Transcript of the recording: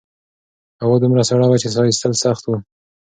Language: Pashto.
هوا دومره سړه وه چې سا ایستل سخت وو.